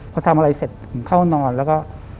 พอทำอะไรเสร็จผมเข้านอนแล้วก็